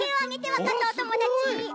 わかったおともだち。